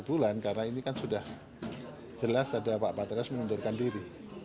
dua bulan karena ini kan sudah jelas ada pak patrias mengundurkan diri